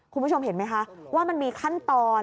คุณผู้ชมเห็นไหมคะว่ามันมีขั้นตอน